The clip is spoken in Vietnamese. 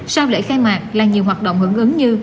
sau lễ khai mạc là nhiều hoạt động hưởng ứng như